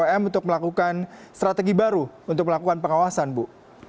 bm untuk melakukan strategi baru untuk melakukan pengawasan bu